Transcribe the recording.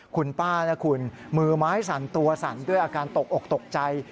คุณป้านะคุณมือไม้สั่นตัวสั่นด้วยอาการตกอกตกใจ